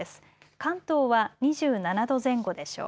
関東は２７度前後でしょう。